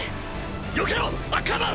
よけろアッカーマン！